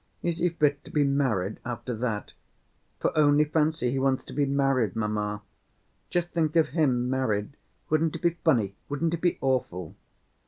Is he fit to be married after that? For only fancy, he wants to be married, mamma. Just think of him married, wouldn't it be funny, wouldn't it be awful?"